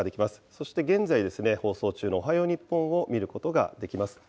そして現在放送中のおはよう日本を見ることができます。